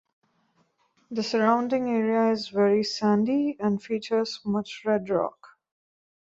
The surrounding area is very sandy and features much red rock.